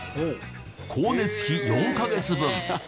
光熱費４カ月分。